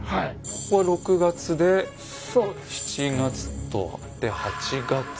ここが６月で７月とで８月。